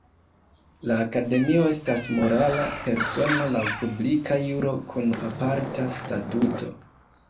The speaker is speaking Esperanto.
La Akademio estas morala persono laŭ publika juro kun aparta statuto.